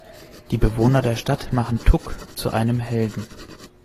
Die Bewohner der Stadt machen Tuck zu einem Helden.